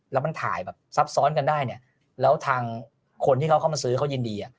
แล้วมันถ่ายแบบซับซ้อนกันได้เนี่ยแล้วทางคนที่เขาเข้ามาซื้อเขายินดี